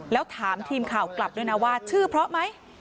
แล้วถามทีมข่าวกลับด้วยนะว่าชื่อเพราะไหม